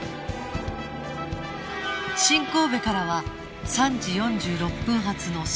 新神戸からは３時４６分発の新幹線のぞみ